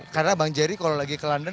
karena bang jerry kalau lagi ke london